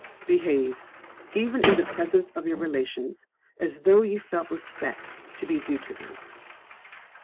Behave, even in the presence of your relations, as though you felt respect to be due to them.